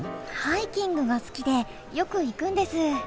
ハイキングが好きでよく行くんです。